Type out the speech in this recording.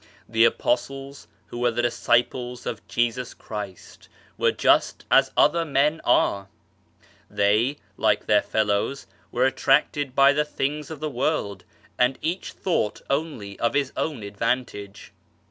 The Apostles, who were the Disciples of Jesus Christ, were just as other men are ; they, like their fellows, were attracted by the things of the world, and each thought only of his own advantage.